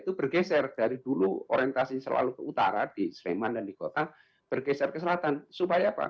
itu bergeser dari dulu orientasi selalu ke utara di sleman dan di kota bergeser ke selatan supaya pak